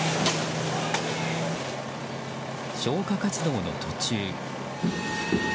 消火活動の途中。